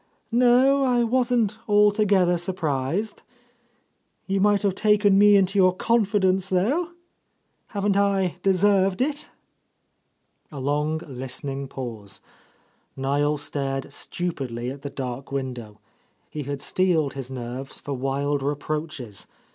No, I wasn't altogether sur prised. You might have taken me Into your con fidence, though. Haven't I deserved it ?" A long, listening pause. Niel stared stu pidly at the dark window. He had steeled his nerves for wild reproaches.